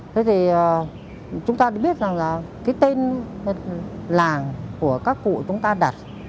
thế thì chúng ta biết rằng là cái tên làng của các cụ chúng ta đặt